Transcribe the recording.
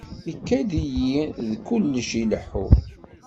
Ikad-iyi-d kullec ileḥḥu.